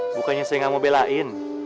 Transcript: bukannya saya nggak mau belain